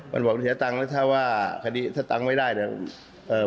มันบอกเสียตังค์แล้วถ้าว่าคดีถ้าตังค์ไม่ได้เนี่ยเอ่อ